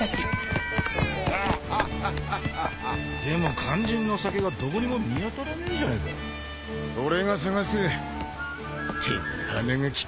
でも肝心の酒がどこにも見当たらねえじゃねえか。